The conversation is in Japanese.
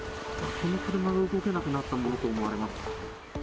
この車も動けなくなったものだと思われます。